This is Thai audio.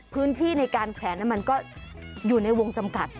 พื้นที่ในการแขวนมันก็อยู่ในวงจำกัด